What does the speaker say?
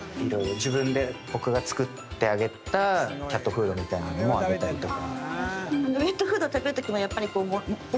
自分で僕が作ってあげたキャットフードみたいなのもあげたりとか。